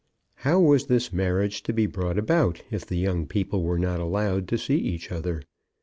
How was this marriage to be brought about if the young people were not allowed to see each other?